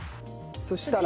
そしたら？